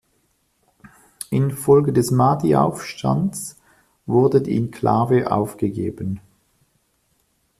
Infolge des Mahdi-Aufstands wurde die Enklave aufgegeben.